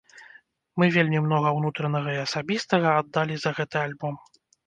Мы вельмі многа ўнутранага і асабістага аддалі за гэты альбом.